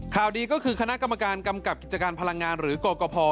ข่าวดีก็คือคณะกรรมการกำกับกิจการพลังงานหรือกรกภ